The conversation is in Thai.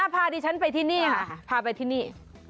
พาดิฉันไปที่นี่